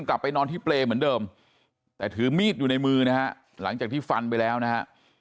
กลับไปนอนที่เปรย์เหมือนเดิมแต่ถือมีดอยู่ในมือนะฮะหลังจากที่ฟันไปแล้วนะฮะ